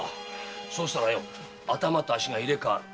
そうしたら頭と足が入れ代わる。